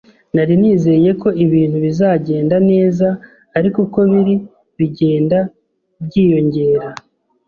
Nari nizeye ko ibintu bizagenda neza, ariko uko biri, bigenda byiyongera.